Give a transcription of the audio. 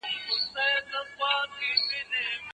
ژوند همېشه یو ډول نه پاته کیږي.